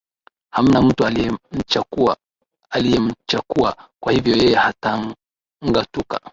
hamna mtu aliyemchakua kwa hivyo yeye hatang atuka